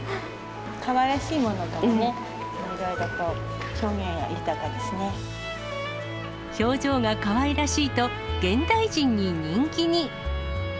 かわいらしいものとかね、表情がかわいらしいと、現代人に人気に。